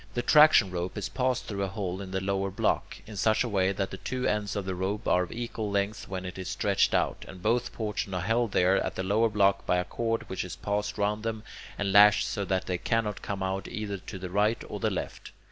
The traction rope is passed through a hole in the lower block, in such a way that the two ends of the rope are of equal length when it is stretched out, and both portions are held there at the lower block by a cord which is passed round them and lashed so that they cannot come out either to the right or the left.